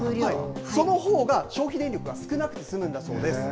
そのほうが、消費電力が少なくて済むんだそうです。